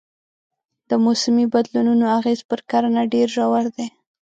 د موسمي بدلونونو اغېز پر کرنه ډېر ژور دی.